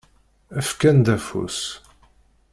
Fkan-d afus.